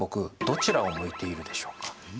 どちらを向いているでしょうか？